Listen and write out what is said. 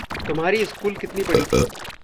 तुम्हारी स्कूल कितनी बड़ी थी?